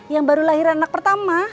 yang baru lahir anak pertama